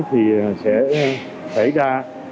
thì sẽ xảy ra